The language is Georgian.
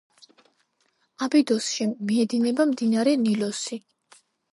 აბიდოსში მიედინება მდინარე ნილოსი.